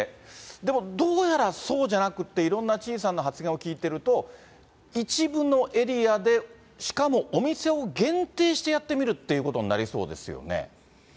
でも、どうやらそうじゃなくって、いろんな知事さんの発言を聞いていると、一部のエリアで、しかもお店を限定してやってみるっていうことになりそうですよね。